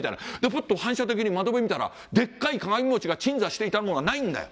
ふっと反射的に窓辺見たらでっかい鏡餅が鎮座していたものがないんだよ。